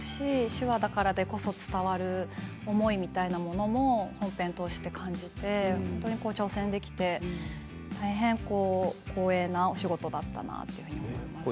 手話だからこそ伝わる思いみたいなものも本編を通して感じて本当に挑戦できて大変、光栄なお仕事だったなと思います。